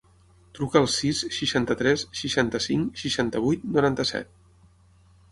Truca al sis, seixanta-tres, seixanta-cinc, seixanta-vuit, noranta-set.